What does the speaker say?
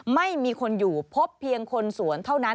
ไม่มีคนอยู่พบเพียงคนสวนเท่านั้น